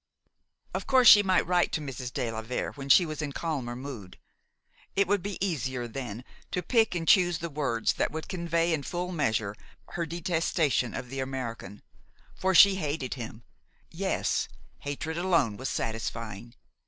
Of course, she might write to Mrs. de la Vere when she was in calmer mood. It would be easier then to pick and choose the words that would convey in full measure her detestation of the American. For she hated him yes, hatred alone was satisfying.